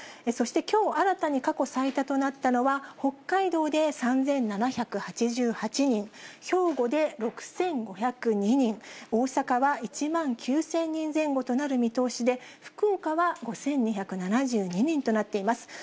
そしてきょう新たに過去最多となったのは、北海道で３７８８人、兵庫で６５０２人、大阪は１万９０００人前後となる見通しで、福岡は５２７２人となっています。